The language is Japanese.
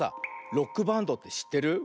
ロックバンドってしってる？